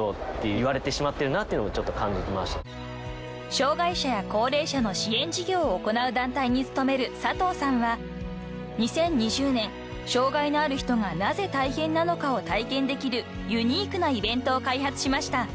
［障害者や高齢者の支援事業を行う団体に勤める佐藤さんは２０２０年「障害のある人がなぜ大変なのか」を体験できるユニークなイベントを開発しました］